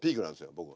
僕は。